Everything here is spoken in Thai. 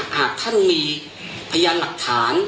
หากท่านมีพยานหลักฐาน